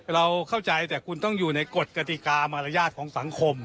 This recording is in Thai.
เราเข้าใจแต่คุณต้องอยู่ในกฎกติกามารยาทของสังคม